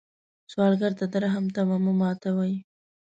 سوالګر ته د رحم تمه مه ماتوي